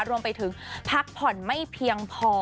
รวมไปถึงพักผ่อนไม่เพียงพอ